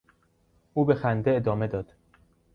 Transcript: او به خنده ادامه داد.